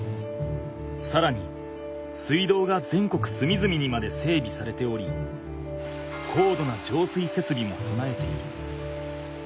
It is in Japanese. さらに水道が全国すみずみにまで整備されており高度な浄水設備もそなえている。